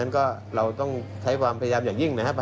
ก็เราต้องใช้ความพยายามอย่างยิ่งนะครับ